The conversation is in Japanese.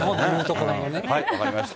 分かりました。